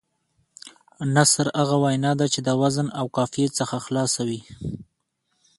نثر هغه وینا ده، چي د وزن او قافيې څخه خلاصه وي.